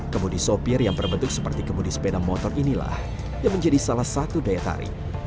kemudi sopir yang berbentuk seperti kemudi sepeda motor inilah yang menjadi salah satu daya tarik